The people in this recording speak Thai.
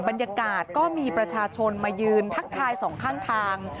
บรรยากาศก็มีประชาชนมายืนทักทายสองข้างทาง